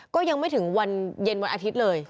ก็ยังไม่ถึงวันเย็นวันอาทิตย์เลย